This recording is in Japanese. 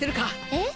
えっ？